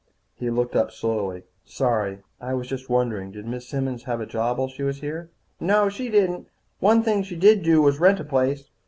He looked up slowly. "Sorry. I was just wondering. Did Miss Simmons have a job while she was here?" "No, she didn't. One thing she did do was rent a place.